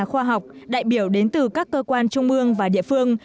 khoa học đại biểu đến từ các cơ quan trung mương và địa phương